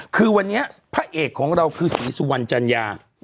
คือวันนี้พระเอกของเราคือศรีสุวรรณจัญญา